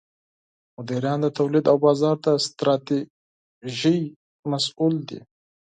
مدیران د تولید او بازار د ستراتیژۍ مسوول دي.